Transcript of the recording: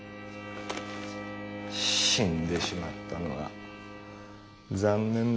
死んでしまったのは残念だなァ。